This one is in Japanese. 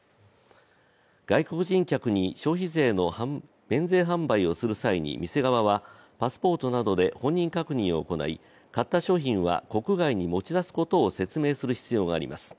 外国人客に消費税の免税販売をする際に店側はパスポートなどで本人確認を行い、買った商品は国外に持ち出すことを説明する必要があります。